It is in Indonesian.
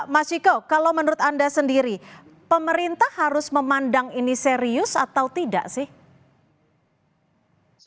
mas ciko kalau menurut anda sendiri pemerintah harus memandang ini serius atau tidak sih